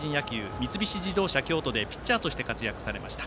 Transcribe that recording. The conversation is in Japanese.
三菱自動車京都でピッチャーとして活躍されました。